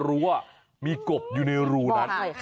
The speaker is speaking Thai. โอเคค่ะ